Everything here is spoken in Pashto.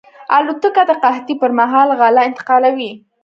الوتکه د قحطۍ پر مهال غله انتقالوي.